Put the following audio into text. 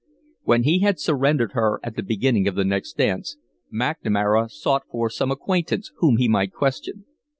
When he had surrendered her, at the beginning of the next dance, McNamara sought for some acquaintance whom he might question.